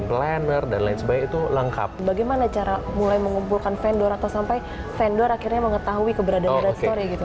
jadi bagaimana cara mengumpulkan vendor atau sampai vendor akhirnya mengetahui keberadaan bright story